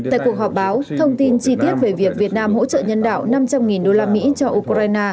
tại cuộc họp báo thông tin chi tiết về việc việt nam hỗ trợ nhân đạo năm trăm linh đô la mỹ cho ukraine